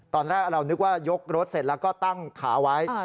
ตอนแรกเรานึกว่ายกรถเสร็จแล้วก็ตั้งขาไว้